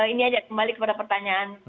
ini aja kembali kepada pertanyaan